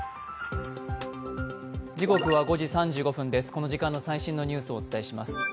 この時間の最新のニュースをお伝えします。